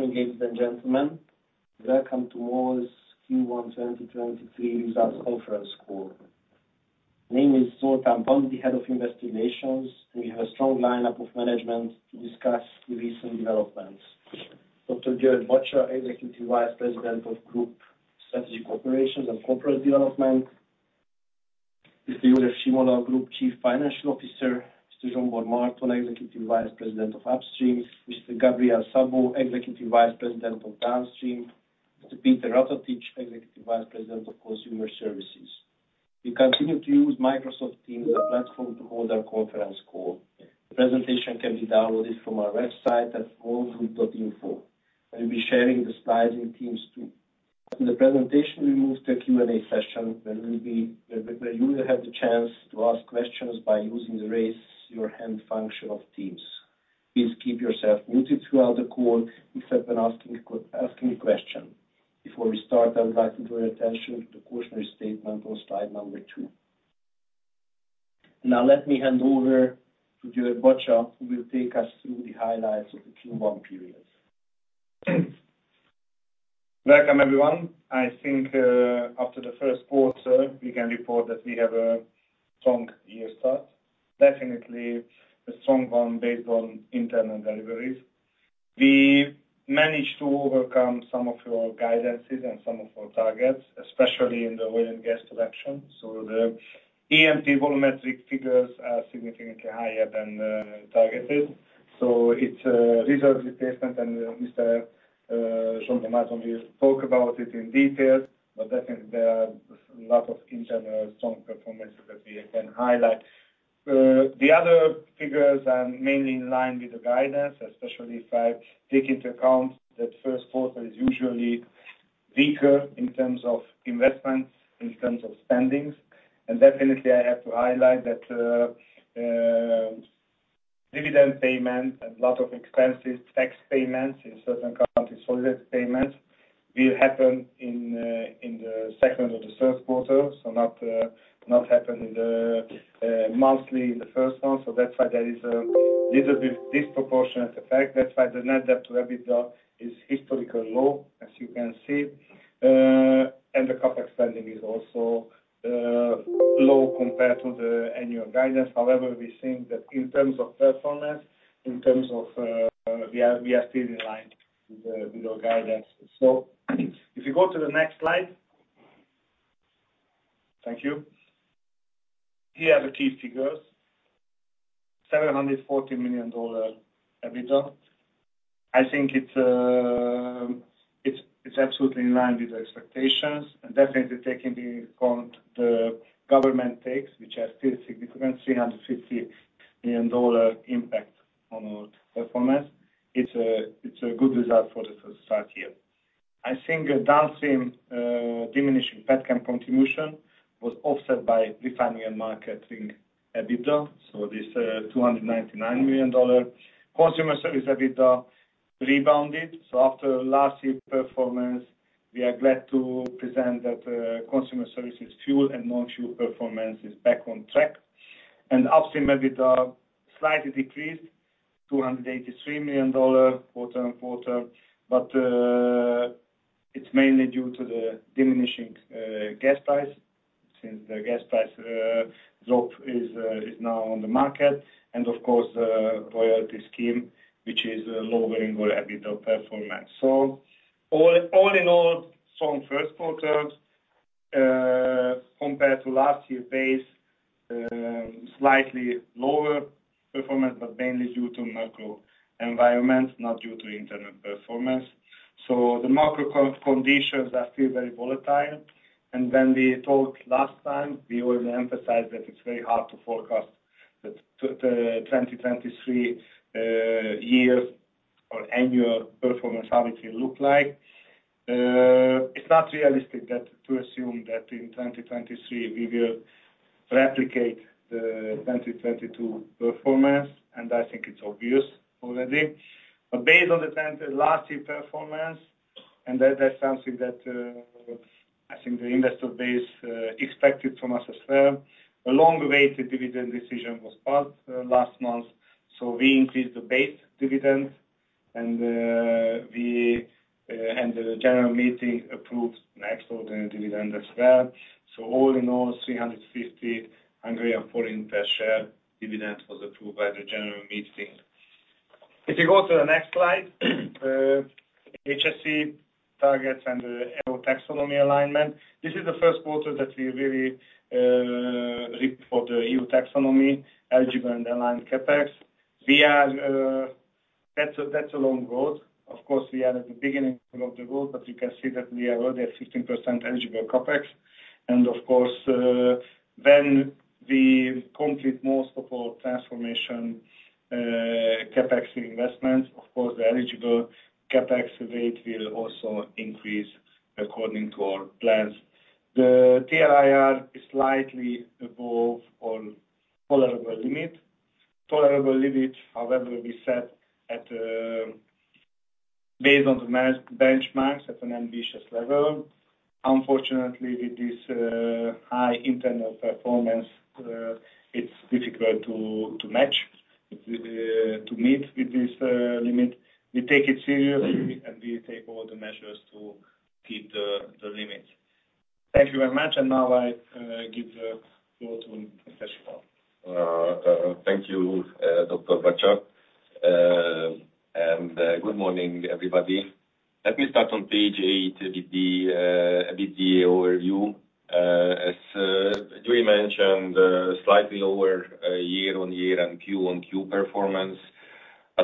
Morning, ladies and gentlemen. Welcome to MOL's Q1 2023 Results Conference Call. My name is Zoltán Pozsgai, the head of Investor Relations, and we have a strong lineup of management to discuss the recent developments. Dr. György Bacsa, Executive Vice President of Group Strategy, Operations, and Corporate Development. Mr. József Simola, Group Chief Financial Officer. Mr. Zsombor Marton, Executive Vice President of Upstream. Mr. Gabriel Szabó, Executive Vice President of Downstream. Mr. Péter Ratatics, Executive Vice President of Consumer Services. We continue to use Microsoft Teams as a platform to hold our conference call. The presentation can be downloaded from our website at molgroup.info, and we'll be sharing the slides in Teams too. After the presentation, we move to Q&A session, where you will have the chance to ask questions by using the Raise Your Hand Function of Teams. Please keep yourself muted throughout the call except when asking a question. Before we start, I would like to draw your attention to the cautionary statement on slide number two. Now let me hand over to György Bacsa, who will take us through the highlights of the Q1 period. Welcome, everyone. I think, after the first quarter, we can report that we have a strong year start. Definitely a strong one based on internal deliveries. We managed to overcome some of your guidances and some of our targets, especially in the oil and gas production. The E&P volumetric figures are significantly higher than targeted. It's a reserved replacement and Mr. Zsombor Marton will talk about it in detail, but I think there are a lot of internal strong performance that we can highlight. The other figures are mainly in line with the guidance, especially if I take into account that first quarter is usually weaker in terms of investments, in terms of spendings. Definitely, I have to highlight that dividend payment and lot of expenses, tax payments in certain countries, solid payments will happen in the second or the third quarter. Not happen in the monthly in the first one. That's why there is a little bit disproportionate effect. That's why the net debt to EBITDA is historically low, as you can see. The CapEx spending is also low compared to the annual guidance. However, we think that in terms of performance, in terms of, we are still in line with our guidance. If you go to the next slide. Thank you. Here are the key figures, $740 million EBITDA. I think it's absolutely in line with the expectations and definitely taking into account the government takes, which are still significant, $350 million impact on our performance. It's a good result for the first start here. I think Downstream diminishing Petchem contribution was offset by Refining and Marketing EBITDA, this $299 million. Consumer Services EBITDA rebounded. After last year performance, we are glad to present that Consumer Services fuel and non-fuel performance is back on track. Upstream EBITDA slightly decreased, $283 million quarter-on-quarter. It's mainly due to the diminishing gas price since the gas price drop is now on the market and of course, royalty scheme, which is lowering our EBITDA performance. All in all, strong first quarter compared to last year pace, slightly lower performance, but mainly due to macro environment, not due to internal performance. The macro conditions are still very volatile. When we talked last time, we always emphasize that it's very hard to forecast the 2023 year or annual performance, how it will look like. It's not realistic that to assume that in 2023 we will replicate the 2022 performance, and I think it's obvious already. Based on the trend of last year performance, and that's something that I think the investor base expected from us as well, a long-awaited dividend decision was passed last month. We increased the base dividend and we and the general meeting approved an extraordinary dividend as well. All in all, 350 Hungarian forint per share dividend was approved by the general meeting. If you go to the next slide, HSE targets and EU Taxonomy alignment. This is the first quarter that we really report the EU Taxonomy, eligible and aligned CapEx. That's a long road. Of course, we are at the beginning of the road, but you can see that we are already at 15% eligible CapEx. Of course, when we complete most of our transformation, CapEx investments, of course, the eligible CapEx rate will also increase according to our plans. The TLIR is slightly above our tolerable limit. Tolerable limit, however, we set at based on the benchmarks at an ambitious level. Unfortunately, with this high internal performance, it's difficult to match, to meet with this limit. We take it seriously. We take all the measures to hit the limits. Thank you very much. Now I give the floor to József Simola. Thank you, Dr. Bacsa. Good morning, everybody. Let me start on page eight with the overview. As George mentioned, slightly lower year-on-year and Quarter-on-Quarter performance,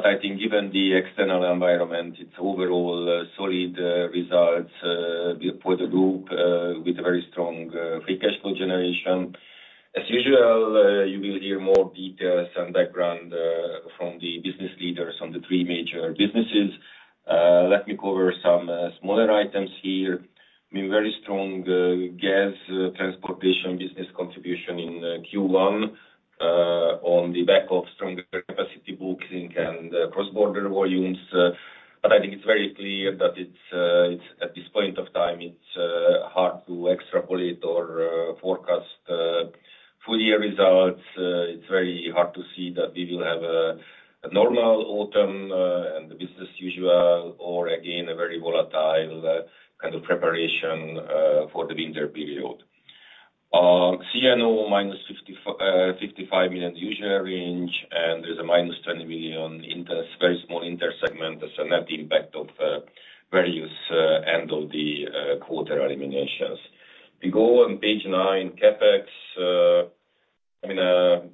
I think even the external environment, it's overall solid results for the Group with very strong free cash flow generation. As usual, you will hear more details and background from the business leaders on the three major businesses. Let me cover some smaller items here. I mean, very strong gas transportation business contribution in Q1 on the back of stronger capacity booking and cross-border volumes. I think it's very clear that at this point of time, it's hard to extrapolate or forecast full year results. It's very hard to see that we will have a normal autumn and business as usual or again, a very volatile kind of preparation for the winter period. CNO minus $55 million usual range, there's a minus $10 million very small inter segment. That's a net impact of various end of the quarter eliminations. We go on page nine, CapEx, I mean, a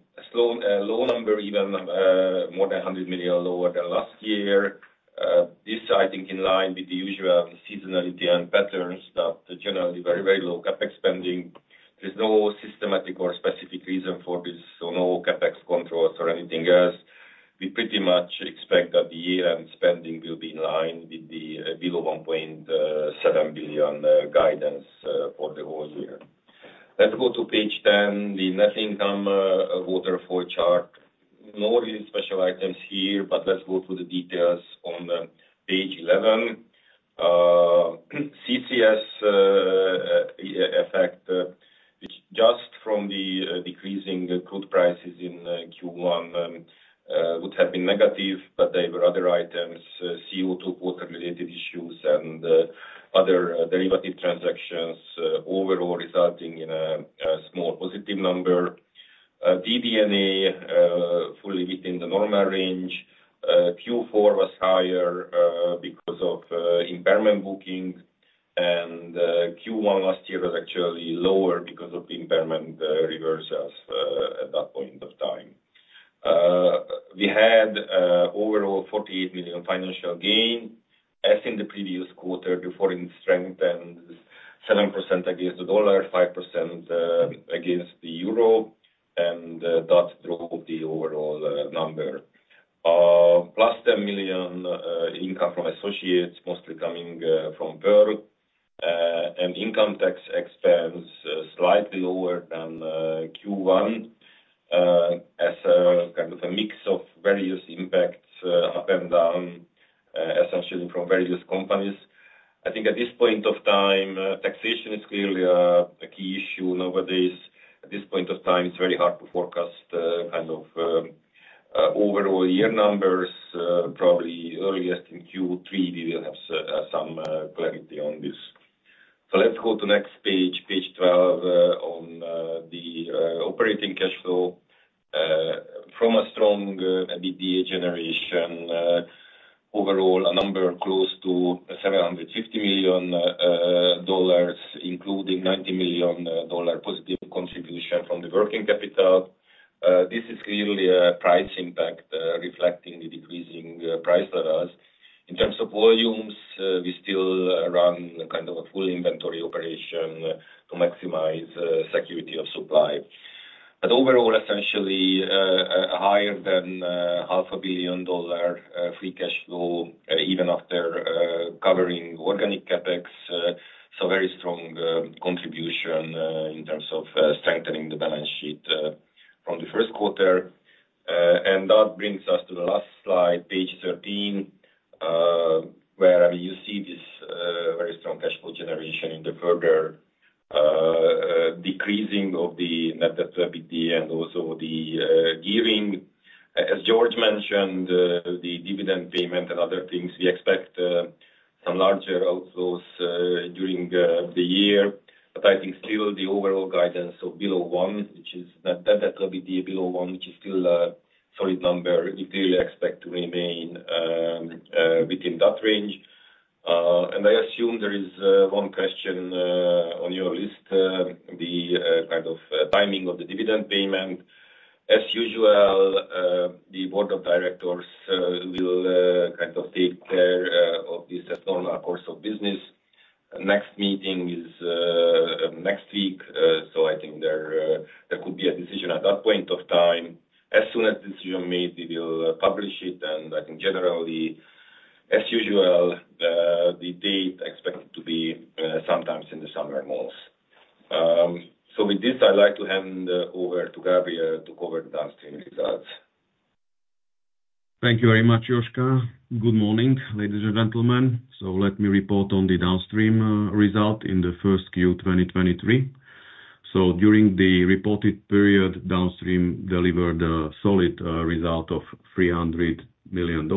low number, even more than $100 million lower than last year. This, I think, in line with the usual seasonality and patterns that generally very low CapEx spending. There's no systematic or specific reason for this, so no CapEx controls or anything else. We pretty much expect that the year-end spending will be in line with the below $1.7 billion guidance for the whole year. Let's go to page 10, the net income waterfall chart. No really special items here. Let's go through the details on page 11. CCS effect which just from the decreasing crude prices in Q1 would have been negative, but there were other items, CO2 quarter-related issues and other derivative transactions, overall resulting in a small positive number. DD&A fully within the normal range. Q4 was higher because of impairment booking. Q1 last year was actually lower because of the impairment reversals at that point of time. We had overall $48 million financial gain. As in the previous quarter, the foreign strength and 7% against the dollar, 5% against the euro, and that drove the overall number. Plus $10 million income from associates, mostly coming from Pearl Petroleum. Income tax expense slightly lower than Q1, as a kind of a mix of various impacts up and down, essentially from various companies. I think at this point of time, taxation is clearly a key issue nowadays. At this point of time, it's very hard to forecast kind of overall year numbers, probably earliest in Q3 we will have some clarity on this. Let's go to next page 12, on the operating cash flow from a strong EBITDA generation. Overall, a number close to $750 million, including $90 million dollar positive contribution from the working capital. This is clearly a price impact, reflecting the decreasing price levels. In terms of volumes, we still run kind of a full inventory operation to maximize security of supply. Overall, essentially, higher than half a billion dollar free cash flow, even after covering organic CapEx. Very strong contribution in terms of strengthening the balance sheet from the first quarter. That brings us to the last slide, page 13, where, I mean, you see this very strong cash flow generation in the further decreasing of the Net Debt/EBITDA and also the giving. As George mentioned, the dividend payment and other things, we expect some larger outflows during the year. I think still the overall guidance of below one, which is Net Debt/EBITDA below one, which is still a solid number, we clearly expect to remain within that range. I assume there is one question on your list, the kind of timing of the dividend payment. As usual, the board of directors will kind of take care of this at normal course of business. Next meeting is next week, I think there could be a decision at that point of time. As soon as decision made, we will publish it, and I think generally, as usual, the date expected to be sometimes in the summer months. With this, I'd like to hand over to Gabriel to cover the downstream results. Thank you very much, József. Good morning, ladies and gentlemen. Let me report on the downstream result in the first Q 2023. During the reported period, downstream delivered a solid result of $300 million.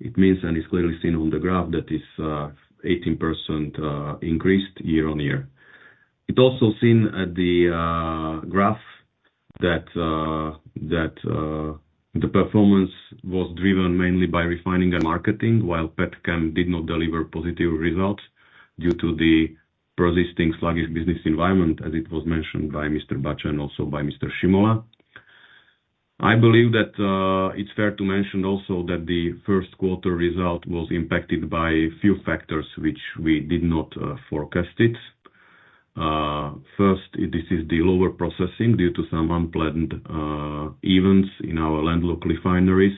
It means, and it's clearly seen on the graph, that is 18% increased year-on-year. It also seen at the graph that the performance was driven mainly by refining and marketing, while Petchem did not deliver positive results due to the persisting sluggish business environment, as it was mentioned by Mr. György Bacsa and also by Mr. József Simola. I believe that it's fair to mention also that the first quarter result was impacted by a few factors which we did not forecast it. First, this is the lower processing due to some unplanned events in our land local refineries,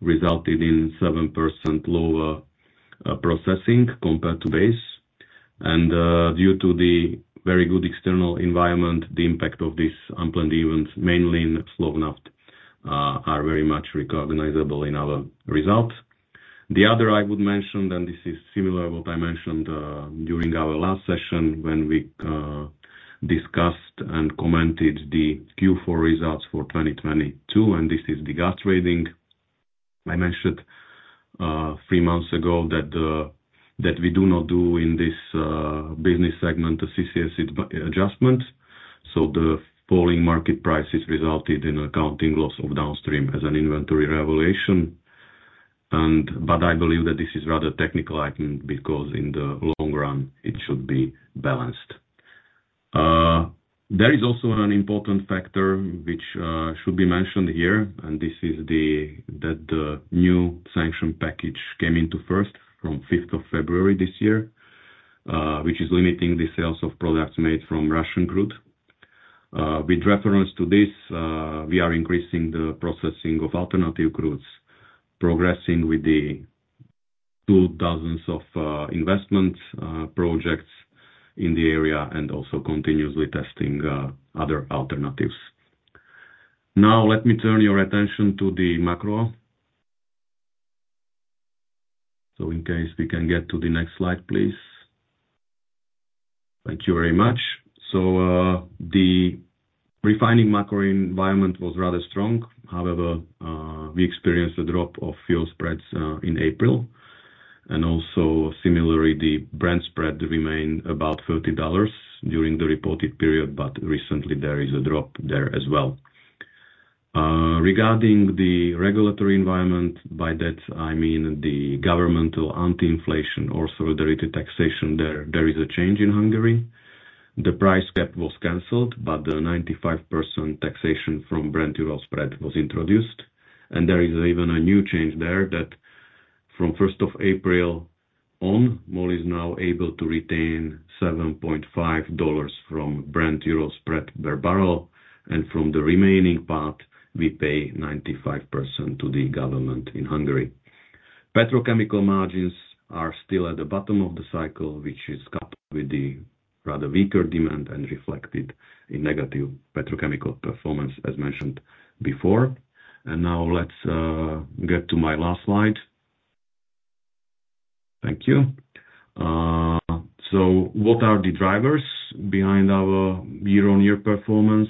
resulted in 7% lower processing compared to base. Due to the very good external environment, the impact of these unplanned events, mainly in Slovnaft, are very much recognizable in our results. The other I would mention, and this is similar what I mentioned during our last session when we discussed and commented the Q4 results for 2022, and this is the gas trading. I mentioned three months ago that we do not do in this business segment, the CCS adjustment. The falling market prices resulted in accounting loss of downstream as an inventory revelation. But I believe that this is rather technical item because in the long run it should be balanced. There is also an important factor which should be mentioned here, and this is that the new sanction package came into first from 5th February this year, which is limiting the sales of products made from Russian crude. With reference to this, we are increasing the processing of alternative crudes, progressing with the two dozens of investment projects in the area and also continuously testing other alternatives. Now let me turn your attention to the macro. In case we can get to the next slide, please. Thank you very much. The refining macro environment was rather strong. However, we experienced a drop of fuel spreads in April. Similarly, the Brent spread remained about $30 during the reported period, but recently there is a drop there as well. Regarding the regulatory environment, by that I mean the governmental anti-inflation, also the retail taxation, there is a change in Hungary. The price cap was canceled, but the 95% taxation from Brent-Ural spread was introduced. There is even a new change there that from 1st of April on, MOL is now able to retain $7.5 from Brent-Ural spread per barrel, and from the remaining part, we pay 95% to the government in Hungary. Petrochemical margins are still at the bottom of the cycle, which is coupled with the rather weaker demand and reflected in negative petrochemical performance, as mentioned before. Now let's get to my last slide. Thank you. So what are the drivers behind our year-on-year performance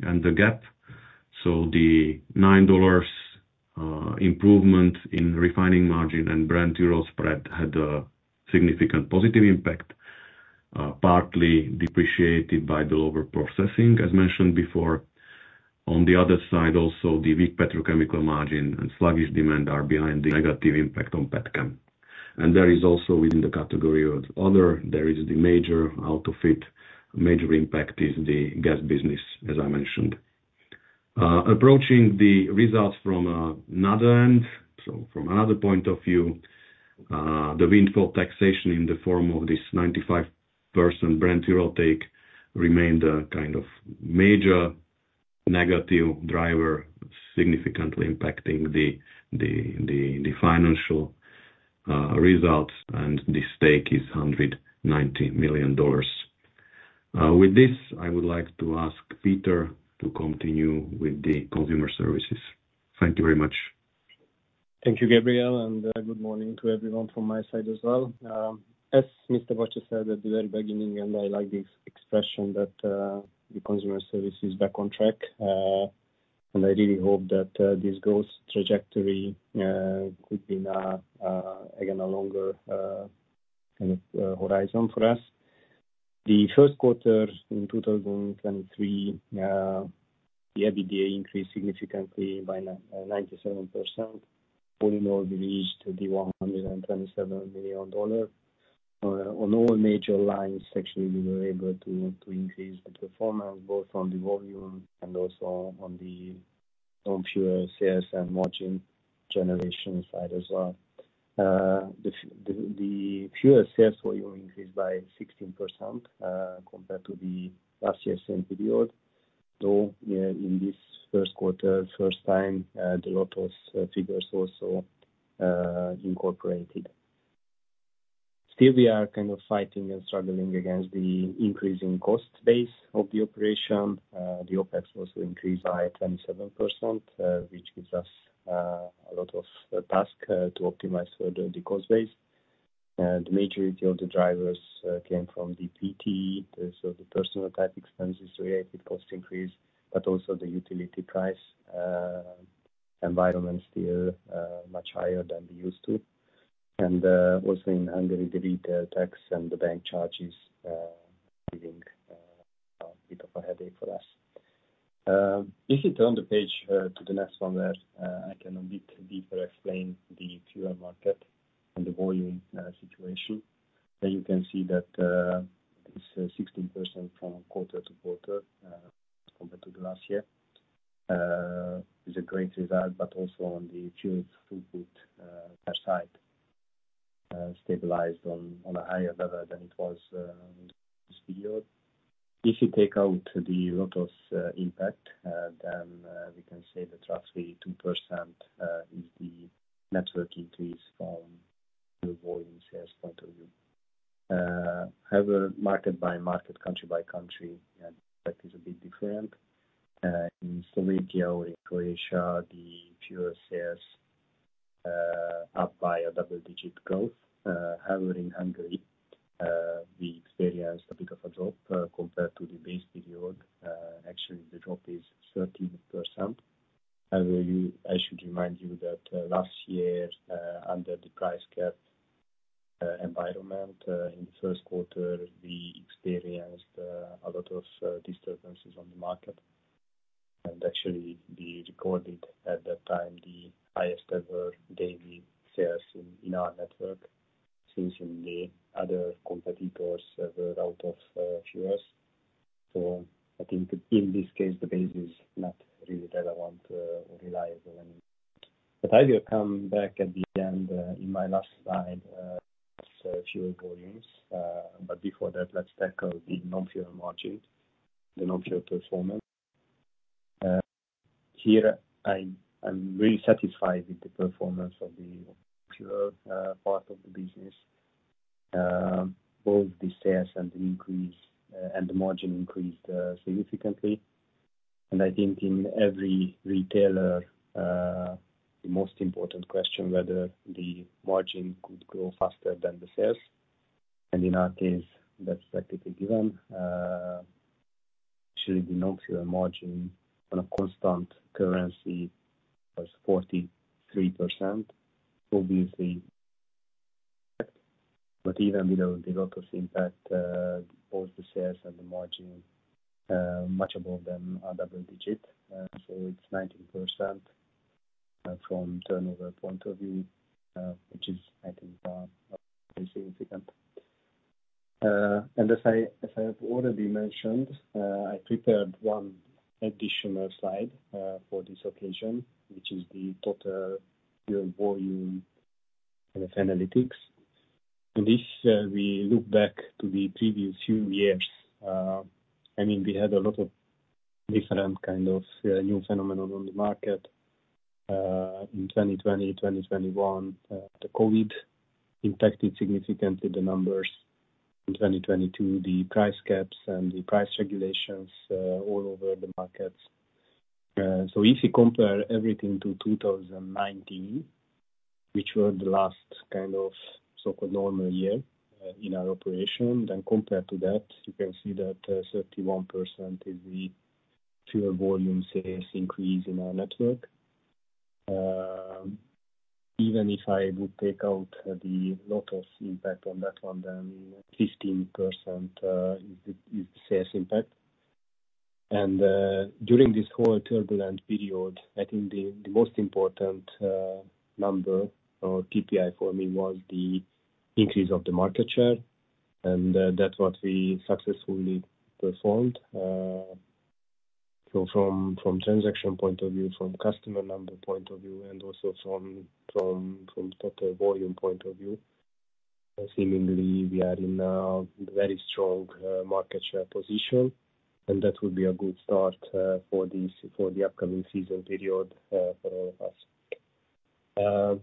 and the gap? The $9 improvement in refining margin and Brent-Ural spread had a significant positive impact, partly depreciated by the lower processing, as mentioned before. On the other side also, the weak petrochemical margin and sluggish demand are behind the negative impact on Petchem. There is also within the category of other, there is the major out of it, major impact is the gas business, as I mentioned. Approaching the results from another end, so from another point of view, the windfall taxation in the form of this 95% Brent-Ural take remained a kind of major negative driver, significantly impacting the financial results. The stake is $190 million. With this, I would like to ask Peter to continue with the consumer services. Thank you very much. Thank you, Gabriel, and good morning to everyone from my side as well. As Mr. Bacsa said at the very beginning, and I like this expression, that the consumer service is back on track. I really hope that this growth trajectory could be now again a longer kind of horizon for us. The first quarter in 2023, the EBITDA increased significantly by 97%. All in all, we reached the $127 million. On all major lines, actually, we were able to increase the performance, both on the volume and also on pure sales and margin generation side as well. The pure sales volume increased by 16%, compared to the last year same video. In this first quarter, first time, the Lotos figures also incorporated. Still we are kind of fighting and struggling against the increasing cost base of the operation. The OPEX also increased by 27%, which gives us a lot of task to optimize further the cost base. The majority of the drivers came from the personnel-type, so the personnel-type expenses related cost increase, but also the utility price environment still much higher than we used to. Also in Hungary, the retail tax and the bank charges giving a bit of a headache for us. If you turn the page to the next one where I can a bit deeper explain the fuel market and the volume situation. There you can see that, it's 16% from quarter-to-quarter, compared to the last year. Is a great result. Also on the fuel throughput per site, stabilized on a higher level than it was this period. If you take out the Lotos impact, then, we can say that roughly 2%, is the network increase from the volume sales point of view. Market by market, country by country, yeah, that is a bit different. In Slovenia or in Croatia, the fuel sales, up by a double digit growth. In Hungary, we experienced a bit of a drop, compared to the base period. Actually the drop is 13%. However, I should remind you that last year, under the price cap environment, in the first quarter, we experienced a lot of disturbances on the market. Actually we recorded at that time the highest ever daily sales in our network since in the other competitors were out of fuels. I think in this case the base is not really relevant or reliable anymore. I will come back at the end, in my last slide, as fuel volumes. Before that, let's tackle the non-fuel margins, the non-fuel performance. Here I'm really satisfied with the performance of the fuel part of the business. Both the sales and the increase and the margin increased significantly. I think in every retailer, the most important question whether the margin could grow faster than the sales. In our case, that's practically given. Actually the non-fuel margin on a constant currency was 43%, obviously. Even below the Lotos impact, both the sales and the margin, much above them are double digit. It's 19% from turnover point of view, which is, I think, very significant. As I, as I have already mentioned, I prepared one additional slide for this occasion, which is the total fuel volume kind of analytics. In this, we look back to the previous few years. I mean, we had a lot of different kind of new phenomenon on the market. In 2020, 2021, the COVID impacted significantly the numbers. In 2022, the price caps and the price regulations all over the markets. If you compare everything to 2019, which were the last kind of so called normal year in our operation, then compared to that, you can see that 31% is the fuel volume sales increase in our network. Even if I would take out the Lotos impact on that one, then 15% is the sales impact. During this whole turbulent period, I think the most important number or KPI for me was the increase of the market share. That's what we successfully performed. From transaction point of view, from customer number point of view, and also from total volume point of view, seemingly we are in a very strong market share position, and that would be a good start for this, for the upcoming season period for all of us.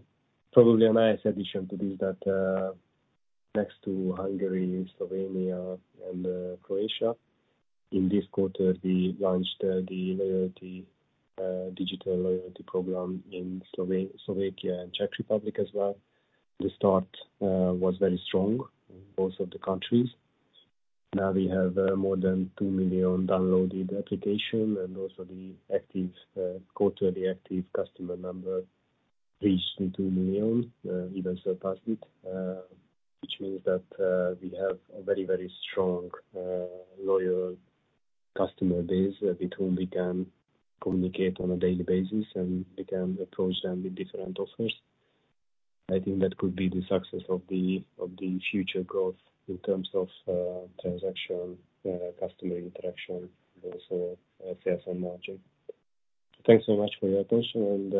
Probably a nice addition to this that next to Hungary, Slovenia and Croatia, in this quarter we launched the loyalty digital loyalty program in Slovakia and Czech Republic as well. The start was very strong in both of the countries. Now we have more than two million downloaded application and also the active, quarterly active customer number reached the two million, even surpassed it, which means that we have a very, very strong, loyal customer base with whom we can communicate on a daily basis, and we can approach them with different offers. I think that could be the success of the, of the future growth in terms of transaction, customer interaction, and also, sales and margin. Thanks so much for your attention and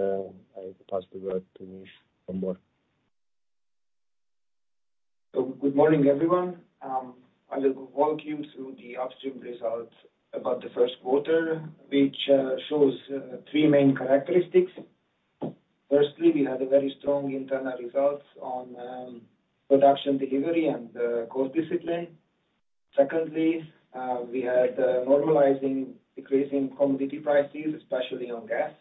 I pass the word to Zsombor. Good morning, everyone. I will walk you through the Upstream results about the first quarter, which shows three main characteristics. Firstly, we had a very strong internal results on production delivery and cost discipline. Secondly, we had a normalizing decreasing commodity prices, especially on gas.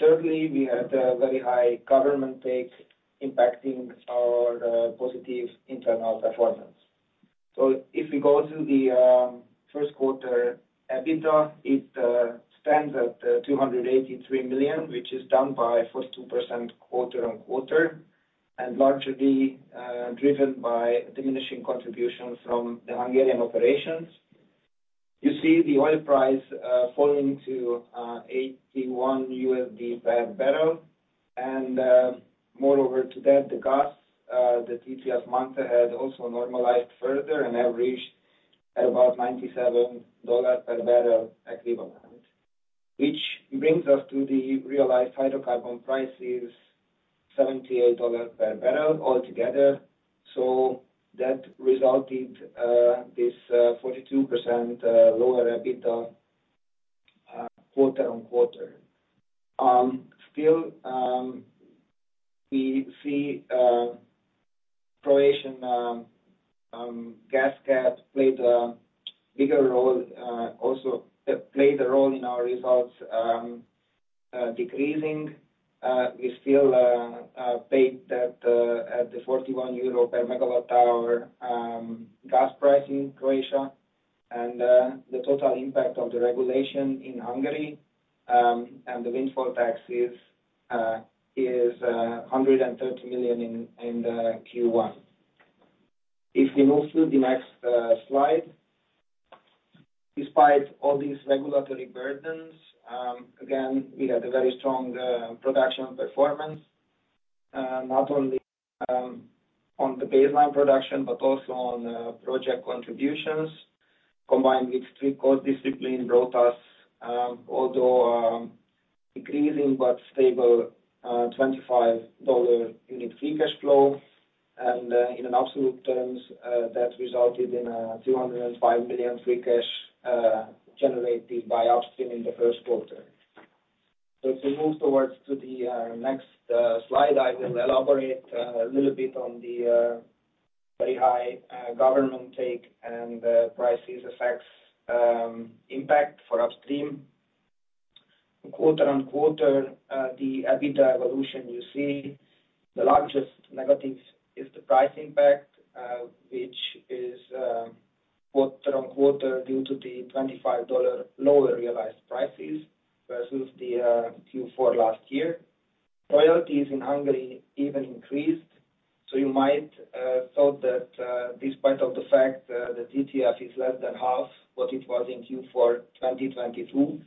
Thirdly, we had a very high government take impacting our positive internal performance. If we go to the first quarter EBITDA, it stands at $283 million, which is down by 42% quarter-on-quarter, and largely driven by diminishing contributions from the Hungarian operations. You see the oil price falling to $81 per barrel. Moreover to that, the gas, the TTF month ahead also normalized further and averaged at about $97 per barrel equivalent, which brings us to the realized hydrocarbon prices, $78 per barrel altogether. That resulted this 42% lower EBITDA quarter-on-quarter. Still, we see Croatian gas cap played a bigger role, also played a role in our results, decreasing. We still paid that at the 41 euro per MW hour gas price in Croatia. The total impact of the regulation in Hungary and the windfall taxes is 130 million in Q1. If we move to the next slide. Despite all these regulatory burdens, again, we had a very strong production performance, not only on the baseline production, but also on project contributions, combined with strict cost discipline brought us, although decreasing but stable, $25 unit free cash flow. In absolute terms, that resulted in $205 million free cash generated by upstream in the first quarter. If we move towards to the next slide, I will elaborate a little bit on the very high government take and prices effects impact for upstream. Quarter-on-quarter, the EBITDA evolution, you see the largest negative is the price impact, which is quarter-on-quarter due to the $25 lower realized prices versus the Q4 last year. Royalties in Hungary even increased. You might thought that despite of the fact the TTS is less than half what it was in Q4 2022,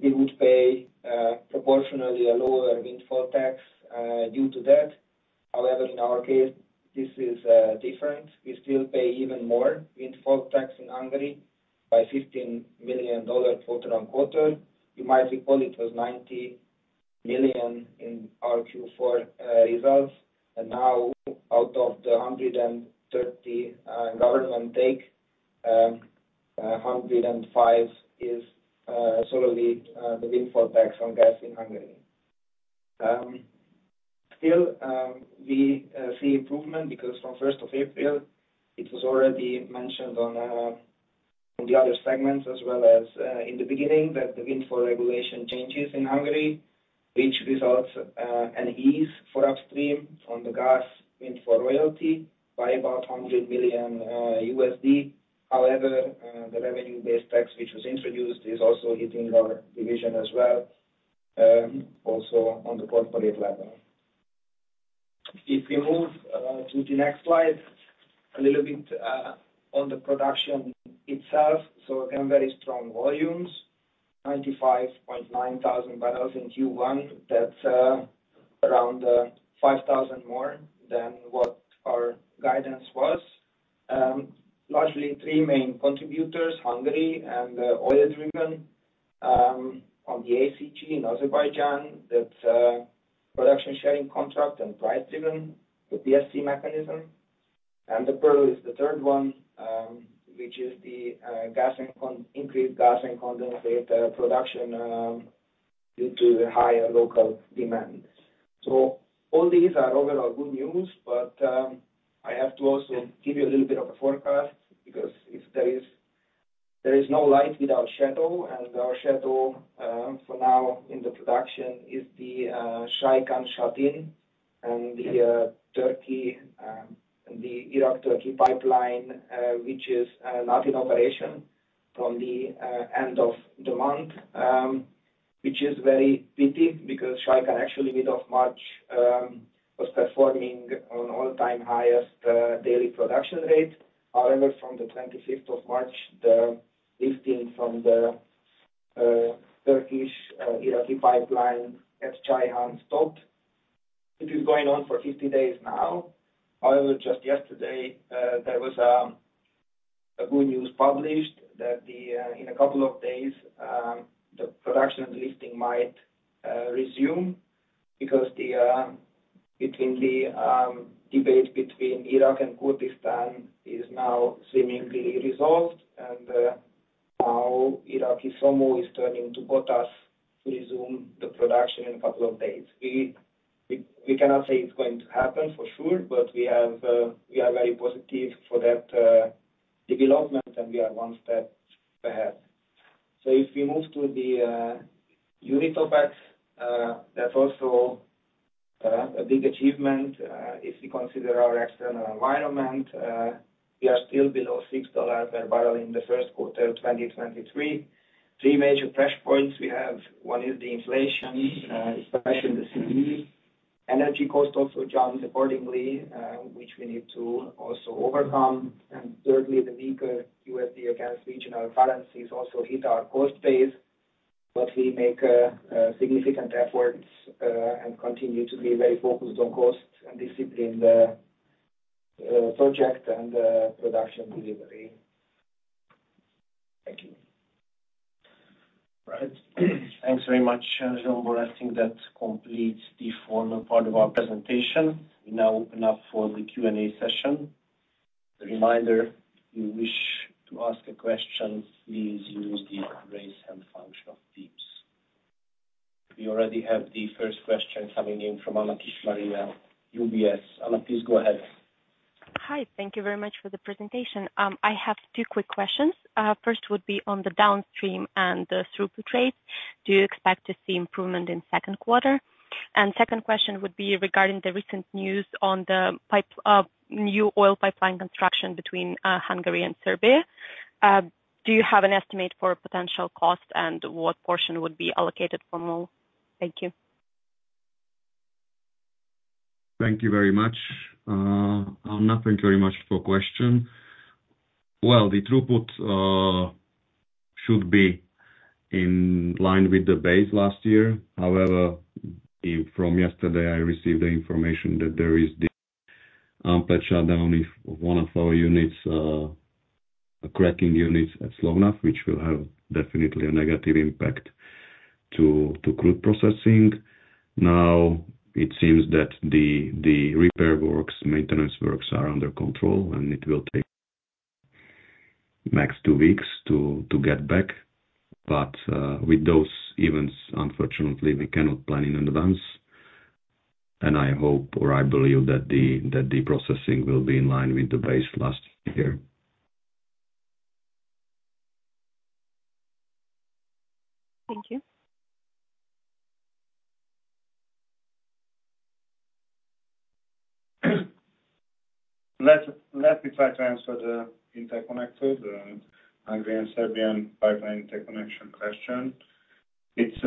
we would pay proportionally a lower windfall tax due to that. However, in our case, this is different. We still pay even more windfall tax in Hungary by $15 million quarter-on-quarter. You might recall it was $90 million in our Q4 results. Now out of the 130 government take, 105 is solely the windfall tax on gas in Hungary. Still, we see improvement because from 1st April, it was already mentioned on the other segments as well as in the beginning that the windfall regulation changes in Hungary, which results an ease for upstream on the gas windfall royalty by about $100 million USD. However, the revenue-based tax which was introduced is also hitting our division as well, also on the corporate level. If we move to the next slide, a little bit on the production itself. Again, very strong volumes, 95.9 thousand barrels in Q1. That's around 5,000 more than what our guidance was. Largely three main contributors, Hungary and oil-driven on the ACG in Azerbaijan. That's a production sharing contract and price-driven, the PSC mechanism. The Pearl is the third one, which is the gas and increased gas and condensate production due to the higher local demand. All these are overall good news, but I have to also give you a little bit of a forecast because if there is no light without shadow. Our shadow, for now in the production is the Shahin and Shahdin and the Turkey, the Iraq-Turkey pipeline, which is not in operation from the end of the month, which is very pity because Shahin actually mid of March, was performing on all-time highest daily production rate. However, from the 25th March, the lifting from the Turkish- Iraqi pipeline at Ceyhan stopped, which is going on for 50 days now. However, just yesterday, there was a good news published that in a couple of days, the production lifting might. Resume because the debate between Iraq and Kurdistan is now seemingly resolved, and now Iraq's SOMO is turning to BOTAŞ to resume the production in a couple of days. We cannot say it's going to happen for sure, but we have we are very positive for that development, and we are one step ahead. If we move to the unit OPEX, that's also a big achievement. If you consider our external environment, we are still below $6 per barrel in the first quarter of 2023. Three major pressure points we have. One is the inflation, especially in the CE. Energy cost also jumps accordingly, which we need to also overcome. Thirdly, the weaker USD against regional currencies also hit our cost base. We make significant efforts and continue to be very focused on costs and discipline the project and the production delivery. Thank you. Right. Thanks very much, Zsombor. I think that completes the formal part of our presentation. We now open up for the Q&A session. A reminder, if you wish to ask a question, please use the Raise Hand function of Teams. We already have the first question coming in from Anna Kishmariya from UBS. Anna, please go ahead. Hi. Thank you very much for the presentation. I have two quick questions. First would be on the downstream and the throughput rates. Do you expect to see improvement in second quarter? Second question would be regarding the recent news on the pipe, new oil pipeline construction between Hungary and Serbia. Do you have an estimate for potential cost, and what portion would be allocated for MOL? Thank you. Thank you very much. Anna, thank you very much for question. Well, the throughput should be in line with the base last year. However, in from yesterday, I received the information that there is the plant shutdown if one of our units, cracking units at Slovnaft, which will have definitely a negative impact to crude processing. Now it seems that the repair works, maintenance works are under control, and it will take max two weeks to get back. With those events, unfortunately, we cannot plan in advance. I hope or I believe that the processing will be in line with the base last year. Thank you. Let me try to answer the interconnector, the Hungary and Serbian pipeline interconnection question. It's,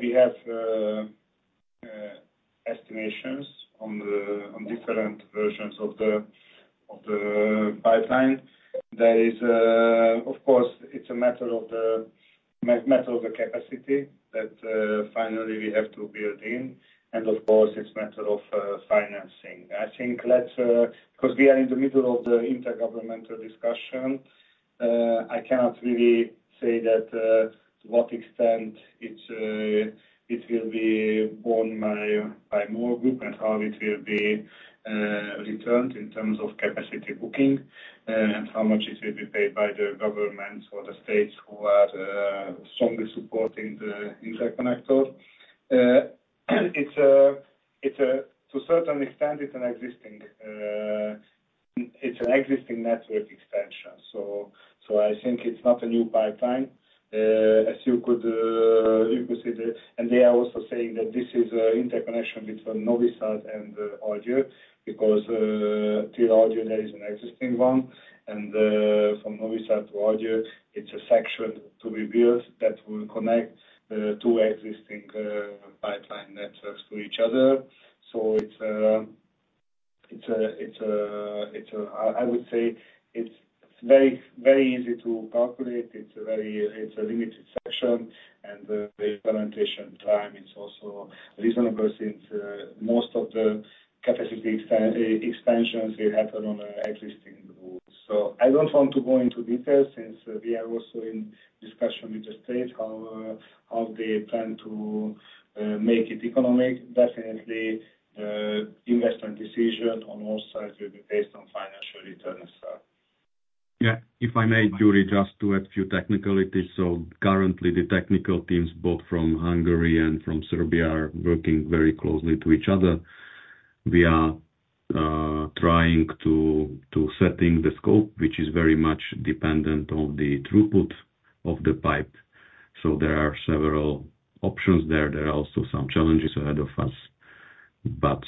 we have estimations on different versions of the pipeline. There is, of course, it's a matter of the capacity that finally we have to build in and of course it's matter of financing. I think let's, 'cause we are in the middle of the intergovernmental discussion, I cannot really say that to what extent it will be borne by MOL Group and how it will be returned in terms of capacity booking and how much it will be paid by the governments or the states who are strongly supporting the interconnector. It's to a certain extent, it's an existing network expansion. I think it's not a new pipeline. As you could, you could see the... They are also saying that this is a interconnection between Novi Sad and Oradea because till Oradea, there is an existing one. From Novi Sad to Oradea, it's a section to be built that will connect two existing pipeline networks to each other. It's a I would say it's very, very easy to calculate. It's a very, it's a limited section and the implementation time is also reasonable since most of the capacity expansions will happen on an existing route. I don't want to go into details since we are also in discussion with the state how they plan to make it economic. Definitely, investment decision on all sides will be based on financial returns. Yeah. If I may, [Julie], just to add few technicalities. Currently the technical teams both from Hungary and from Serbia are working very closely to each other. We are trying to setting the scope, which is very much dependent on the throughput of the pipe. There are several options there. There are also some challenges ahead of us.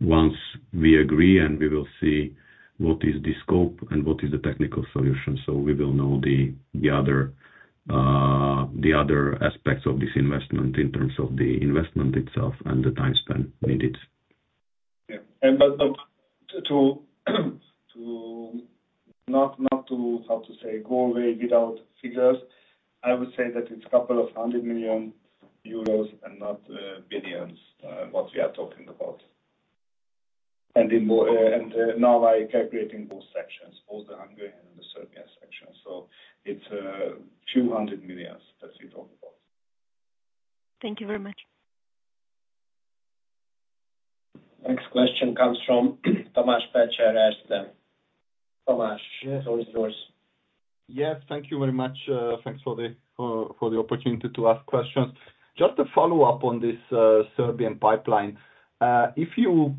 Once we agree and we will see what is the scope and what is the technical solution, we will know the other aspects of this investment in terms of the investment itself and the time spent needed. Yeah. To not to, how to say, go away without figures, I would say that it's a couple of hundred million euros and not billions what we are talking about. In more, and now I calculating both sections, both the Hungary and the Serbian section. It's 200 million that we talk about. Thank you very much. Next question comes from Tamas Pletser, Erste Group. Tamas, The floor is yours. Yes, thank you very much. Thanks for the opportunity to ask questions. Just a follow-up on this Serbian pipeline. If you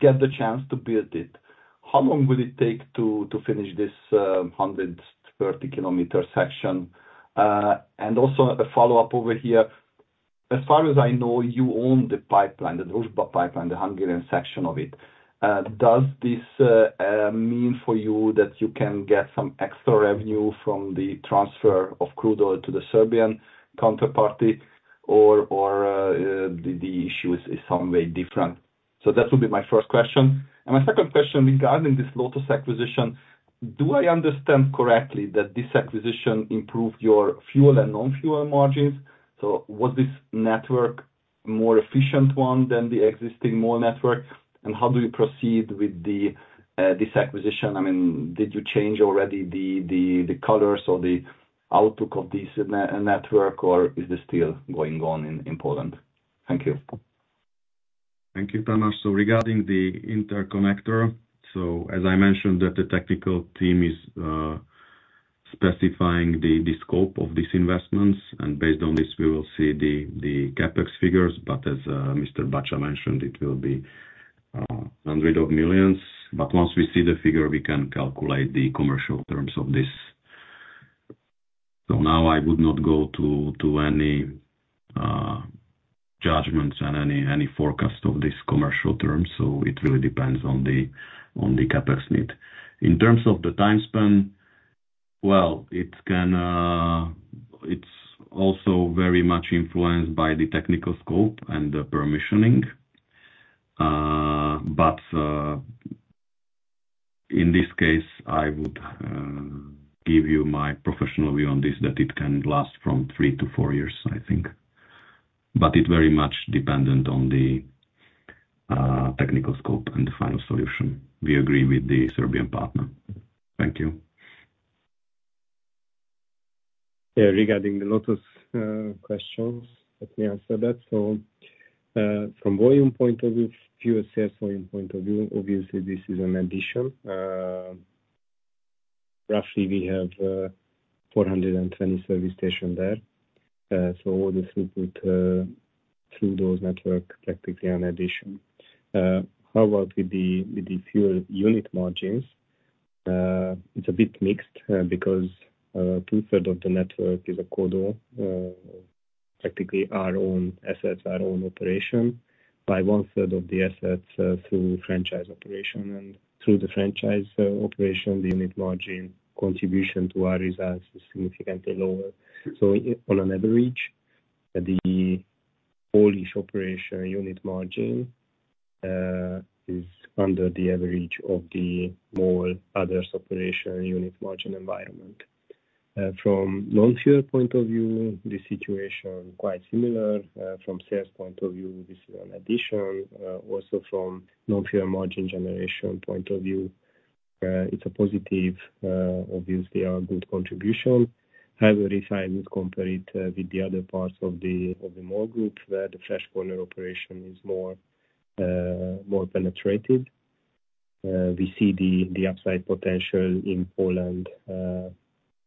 get the chance to build it, how long will it take to finish this 130-kilometer section? Also a follow-up over here. As far as I know, you own the pipeline, the Druzhba pipeline, the Hungarian section of it. Does this mean for you that you can get some extra revenue from the transfer of crude oil to the Serbian counterparty or the issue is some way different? That would be my first question. My second question regarding this Lotos acquisition, do I understand correctly that this acquisition improved your fuel and non-fuel margins? Was this network more efficient one than the existing MOL network? How do you proceed with this acquisition? I mean, did you change already the colors or the outlook of this network, or is this still going on in Poland? Thank you. Thank you, Tamas. Regarding the interconnector, as I mentioned that the technical team is specifying the scope of these investments, and based on this, we will see the CapEx figures. As Mr. Bacsa mentioned, it will be EUR hundred of millions. Once we see the figure, we can calculate the commercial terms of this. Now I would not go to any judgments and any forecast of this commercial terms. It really depends on the CapEx need. In terms of the time span, well, it can. It's also very much influenced by the technical scope and the permissioning. In this case, I would give you my professional view on this, that it can last from 3 years-4 years, I think. It very much dependent on the technical scope and the final solution. We agree with the Serbian partner. Thank you. Yeah, regarding the Lotos questions, let me answer that. From volume point of view, fuel sales volume point of view, obviously this is an addition. Roughly we have 420 service station there. All this input through those network practically an addition. How about with the fuel unit margins? It's a bit mixed because 2/3 of the network is a corridor, practically our own assets, our own operation. By 1/3 of the assets through franchise operation and through the franchise operation, the unit margin contribution to our results is significantly lower. On an average, the Polish operation unit margin is under the average of the more adverse operation unit margin environment. From non-fuel point of view, the situation quite similar. From sales point of view, this is an addition, also from non-fuel margin generation point of view, it's a positive, obviously a good contribution. However, if I would compare it with the other parts of the MOL Group where the Fresh Corner operation is more, more penetrated, we see the upside potential in Poland.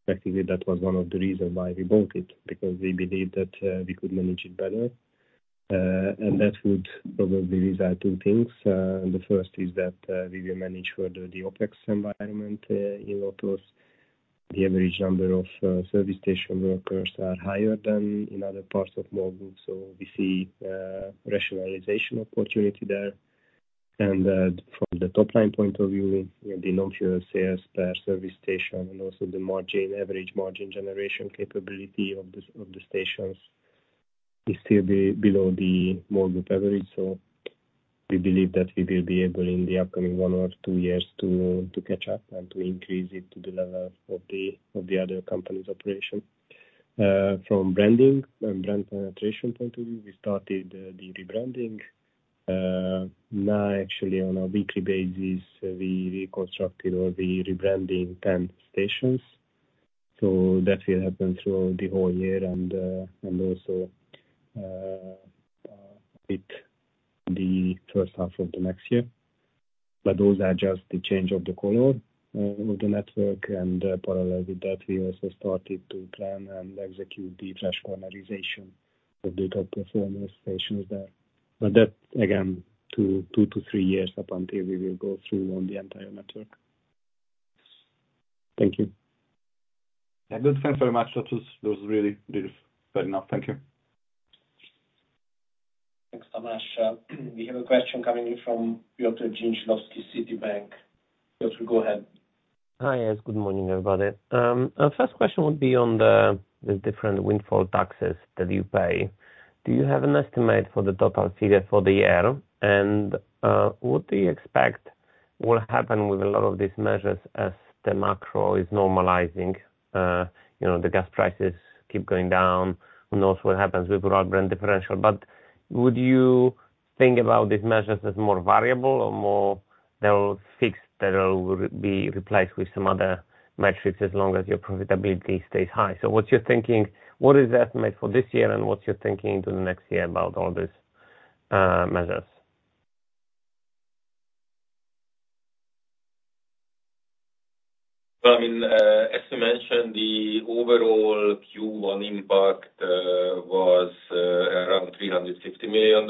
Practically that was one of the reason why we bought it, because we believe that we could manage it better. That would probably result two things. The first is that we will manage further the OpEx environment in Lotos. The average number of service station workers are higher than in other parts of MOL Group. We see rationalization opportunity there. From the top-line point of view, you know, the non-fuel sales per service station and also the margin, average margin generation capability of the stations is still below the MOL Group average. We believe that we will be able in the upcoming one or two years to catch up and to increase it to the level of the other company's operation. From branding and brand penetration point of view, we started the rebranding. Now actually on a weekly basis, we reconstructed or we rebranding 10 stations. That will happen through the whole year and also the first half of the next year. Those are just the change of the color of the network. Parallel with that, we also started to plan and execute the Fresh Cornerization of data performance stations there. That, again, 2 years-3 years up until we will go through on the entire network. Thank you. Yeah. Good. Thanks very much. That was really fair enough. Thank you. Thanks, Tamas. We have a question coming in from Piotr Dzieciolowski, Citibank. Piotr, go ahead. Hi, yes. Good morning, everybody. First question would be on the different windfall taxes that you pay. Do you have an estimate for the total figure for the year? What happened with a lot of these measures as the macro is normalizing, you know, the gas prices keep going down? Who knows what happens with raw brand differential, but would you think about these measures as more variable or more they'll fix that will be replaced with some other metrics as long as your profitability stays high? What you're thinking, what is the estimate for this year and what you're thinking into the next year about all these measures? Well, I mean, as you mentioned, the overall Q1 impact was around $350 million.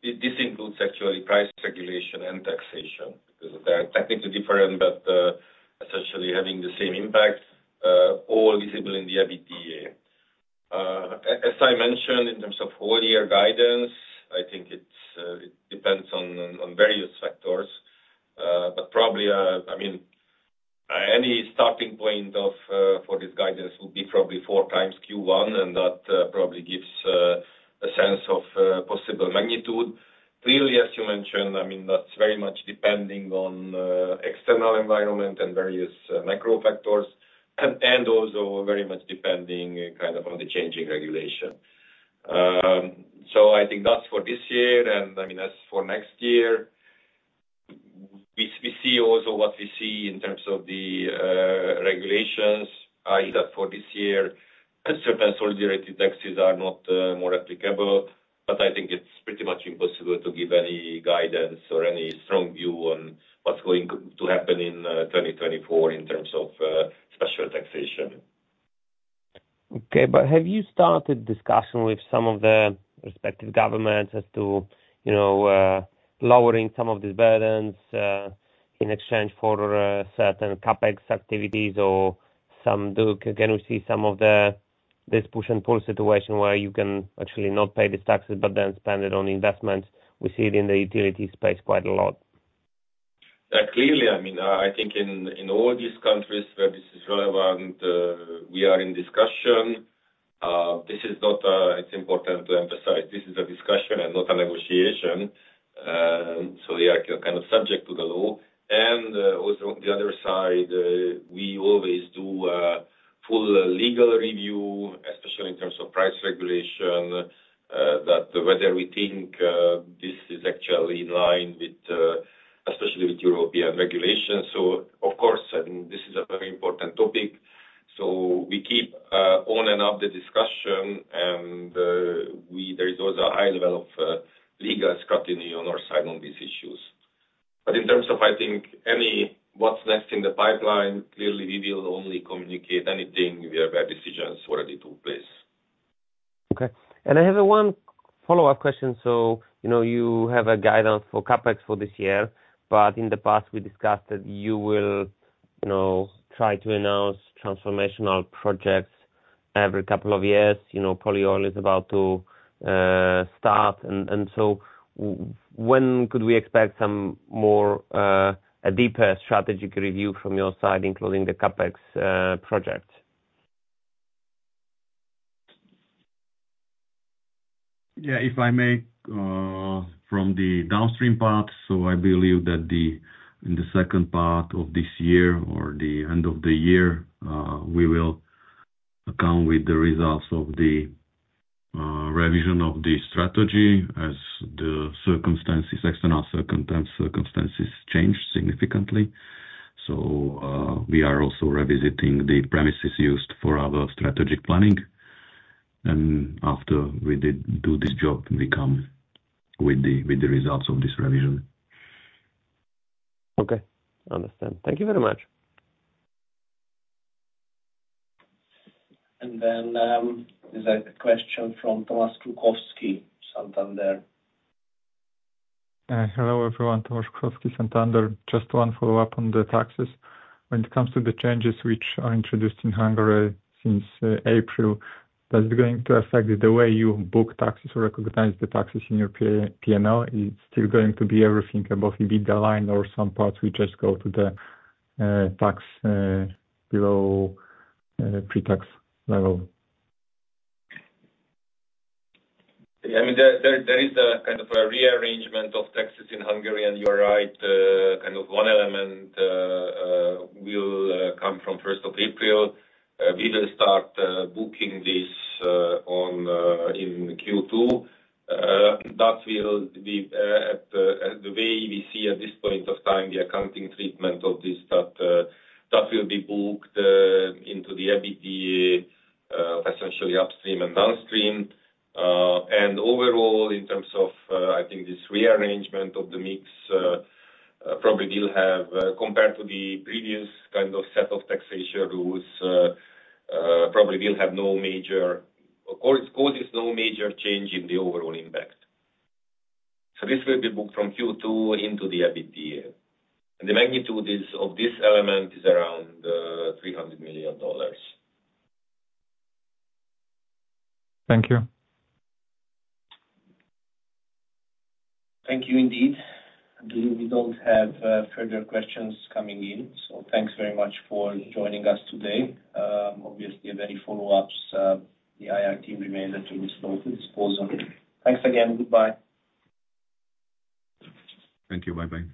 This includes actually price regulation and taxation because they are technically different, but essentially having the same impact, all visible in the EBITDA. As I mentioned, in terms of whole year guidance, I think it's it depends on various factors. Probably, I mean, any starting point for this guidance will be probably 4x Q1, and that probably gives a sense of possible magnitude. Clearly, as you mentioned, I mean, that's very much depending on external environment and various macro factors and also very much depending kind of on the changing regulation. I think that's for this year. I mean, as for next year, we see also what we see in terms of the regulations either for this year as certain solidarity taxes are not more applicable. I think it's pretty much impossible to give any guidance or any strong view on what's going to happen in 2024 in terms of special taxation. Okay. Have you started discussion with some of the respective governments as to, you know, lowering some of these burdens, in exchange for certain CapEx activities? Can we see some of the, this push and pull situation where you can actually not pay these taxes but then spend it on investments? We see it in the utility space quite a lot. Yeah. Clearly, I mean, I think in all these countries where this is relevant, we are in discussion. This is not, it's important to emphasize this is a discussion and not a negotiation. We are kind of subject to the law. Also on the other side, we always do a full legal review, especially in terms of price regulation, that whether we think, this is actually in line with, especially with European regulation. Of course, and this is a very important topic. We keep on and up the discussion. There is also a high level of legal scrutiny on our side on these issues. In terms of, I think, any what's next in the pipeline, clearly we will only communicate anything if we have decisions ready to place. Okay. I have 1 follow-up question. You know, you have a guidance for CapEx for this year, but in the past we discussed that you will, you know, try to announce transformational projects every couple of years. You know, Polyol is about to start. When could we expect some more, a deeper strategic review from your side, including the CapEx project? Yeah. If I may, from the downstream part, I believe that in the second part of this year or the end of the year, we will come with the results of the revision of the strategy as the circumstances, external circumstances change significantly. We are also revisiting the premises used for our strategic planning. After we did do this job, we come with the results of this revision. Okay. Understand. Thank you very much. There's a question from Tomasz Krukowski, Santander. Hello, everyone. Tomasz Krukowski, Santander. Just one follow-up on the taxes. When it comes to the changes which are introduced in Hungary since April, that is going to affect the way you book taxes or recognize the taxes in your P&L. It's still going to be everything above EBITDA line or some parts will just go to the tax below pre-tax level? Yeah. I mean, there is a kind of a rearrangement of taxes in Hungary. You're right, kind of one element will come from 1st April. We will start booking this in Q2. That will be at the way we see at this point of time the accounting treatment of this, that will be booked into the EBITDA, essentially upstream and downstream. Overall in terms of, I think this rearrangement of the mix probably will have, compared to the previous kind of set of taxation rules, probably will have no major or causes no major change in the overall impact. This will be booked from Q2 into the EBITDA. The magnitude is of this element is around, $300 million. Thank you. Thank you indeed. I believe we don't have further questions coming in. Thanks very much for joining us today. If any follow-ups, the IR team remains at your disposal. Thanks again. Goodbye. Thank you. Bye-bye.